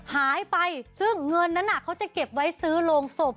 หายไปซึ่งเงินนั้นเขาจะเก็บไว้ซื้อโรงศพ